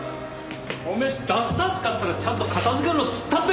おめえダスター使ったらちゃんと片付けろっつったべ！